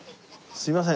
すいません。